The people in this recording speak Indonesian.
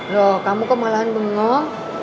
loh kamu kemalahan bengong